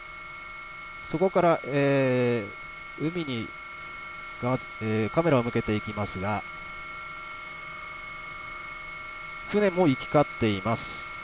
そこから海にカメラを向けていきますが船も行き交っています。